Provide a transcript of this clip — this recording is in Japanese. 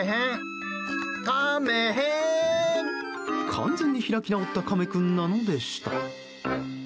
完全に開き直ったカメ君なのでした。